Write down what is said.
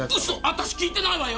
私聞いてないわよ？